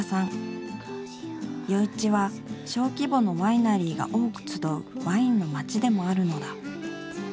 余市は小規模のワイナリーが多く集うワインの町でもあるのだ。